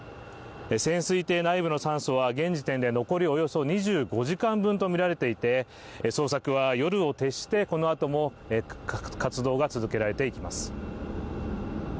潜水艇内部の酸素は現時点で残りおよそ２５時間分とみられていて捜索は夜を徹して、このあとも活動が続けられていきます。